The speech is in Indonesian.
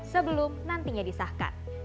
jalan sebelum nantinya disahkan